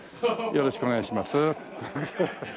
よろしくお願いします。